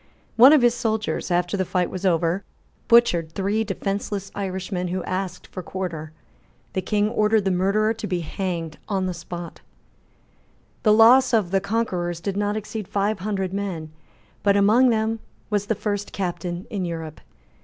One of his soldiers, after the fight was over, butchered three defenceless Irishmen who asked for quarter. The King ordered the murderer to be hanged on the spot, The loss of the conquerors did not exceed five hundred men but among them was the first captain in Europe.